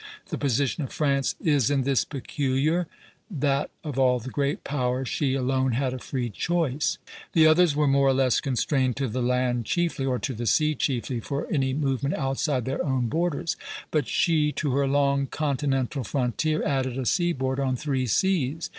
The position of France is in this peculiar, that of all the great powers she alone had a free choice; the others were more or less constrained to the land chiefly, or to the sea chiefly, for any movement outside their own borders; but she to her long continental frontier added a seaboard on three seas.